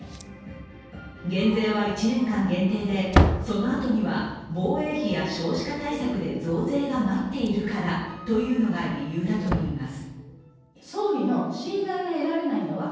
減税は１年間限定で、そのあとには防衛費や少子化対策で増税が待っているからというのが理由だといいます。